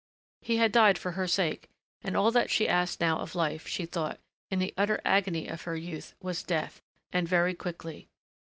He had died for her sake, and all that she asked now of life, she thought in the utter agony of her youth, was death. And very quickly.